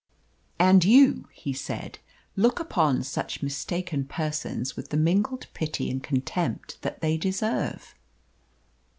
"And you," he said, "look upon such mistaken persons with the mingled pity and contempt that they deserve?"